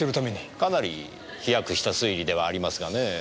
かなり飛躍した推理ではありますがね。